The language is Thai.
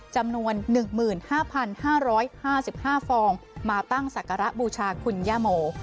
จำนวน๑๕๕๕ฟองมาตั้งศักระบูชาคุณย่าโม